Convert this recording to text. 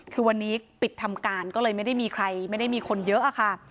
คือวันนี้ปิดทำการก็เลยไม่ได้มีใครไม่ได้มีคนเยอะอะค่ะ